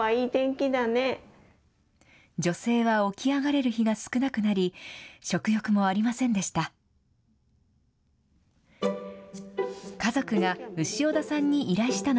女性は起き上がれる日が少なくなり、食欲もありませんでした。